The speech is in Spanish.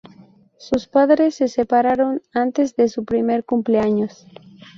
Sus padres se separaron antes de su primer cumpleaños.